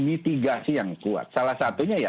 mitigasi yang kuat salah satunya ya